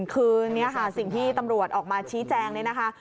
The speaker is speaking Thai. คือนี้ค่ะสิ่งที่ตำรวจออกมาชี้แจงเนี่ยนะคะ